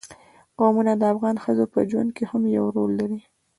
قومونه د افغان ښځو په ژوند کې هم یو رول لري.